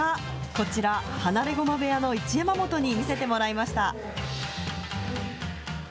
こちら、放駒部屋の一山本に見せてもらいました。